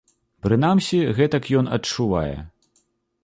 Прынамсі, гэтак ён адчувае.